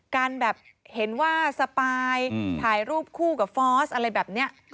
การแบบเห็นว่าสปายถ่ายรูปคู่กับฟอสอะไรแบบนี้